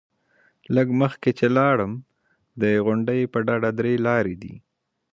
لږ مخکې چې لاړم، د غونډۍ پر ډډه درې لارې دي.